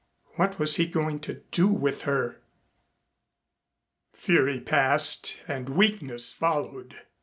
What was he going to do with her? Fury passed and weakness followed.